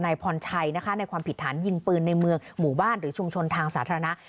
พรชัยนะคะในความผิดฐานยิงปืนในเมืองหมู่บ้านหรือชุมชนทางสาธารณะ